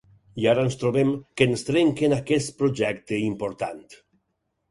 I ara ens trobem que ens trenquen aquest projecte important.